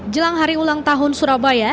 jelang hari ulang tahun surabaya